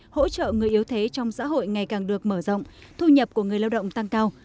hỗ trợ người yếu thế trong xã hội ngày càng được mở rộng thu nhập của người lao động tăng cao